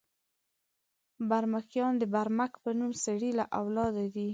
برمکیان د برمک په نوم سړي له اولاده دي.